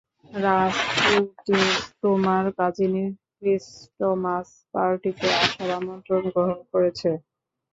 Rasputin তোমার কাজিনের Christmas পার্টিতে আসার আমন্ত্রণ গ্রহণ করেছে।